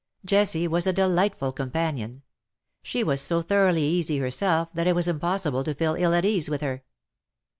Jessie was a delightful companion. She was so thoroughly easy herself that it was impossible to feel ill at ease with her.